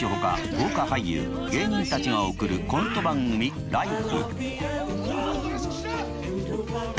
豪華俳優芸人たちが送るコント番組「ＬＩＦＥ！」。